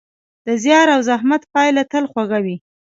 د زیار او زحمت پایله تل خوږه وي.